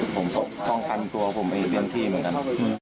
ผมต้องกันตัวผมเอียงเตรียมที่เหมือนกัน